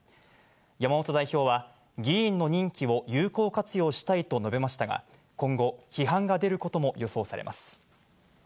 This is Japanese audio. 山本代表は議員の任期を有効活用したいと述べましたが、今後、批判が出ることも予想されます。